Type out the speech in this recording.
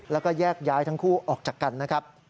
แล้วก็แยกย้ายทั้งคู่ออกจากกันนะครับ